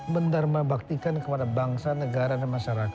mendarmabaktikan kepada bangsa negara dan masyarakat